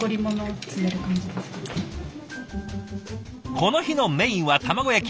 この日のメインは卵焼き。